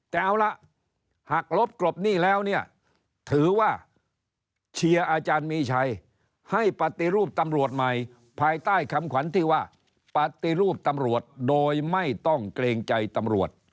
แต่เอาล่ะหากลบกรบหนี้แล้วเนี่ยถือว่าเชียร์อาจารย์มีชัยให้ปฏิรูปตำรวจใหม่ภายใต้คำขวัญที่ว่าปฏิรูปตำรวจโดยไม่ต้องเกรงใจตำรวจ